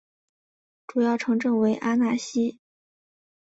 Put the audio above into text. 主要城镇为阿讷西。